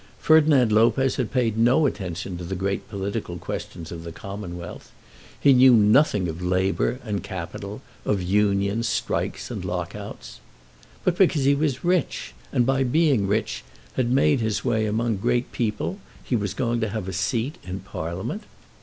Ferdinand Lopez had paid no attention to the great political questions of the Commonwealth. He knew nothing of Labour and Capital, of Unions, Strikes, and Lock outs. But because he was rich, and, by being rich, had made his way among great people, he was to have a seat in Parliament!